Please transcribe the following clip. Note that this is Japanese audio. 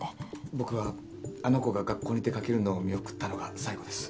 僕はあの子が学校に出かけるのを見送ったのが最後です。